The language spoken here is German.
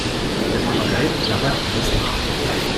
Der Papagei plappert alles nach.